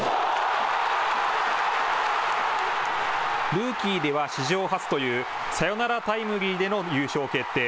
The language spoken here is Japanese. ルーキーでは史上初というサヨナラタイムリーでの優勝決定。